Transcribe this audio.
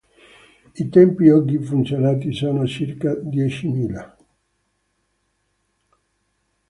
I templi oggi funzionanti sono circa diecimila.